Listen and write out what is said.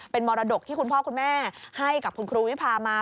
เป็นมรดกที่คุณพ่อคุณแม่ให้กับคุณครูวิพามา